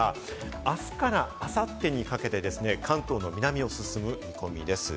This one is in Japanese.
あすからあさってにかけてですね、関東の南を進む見込みです。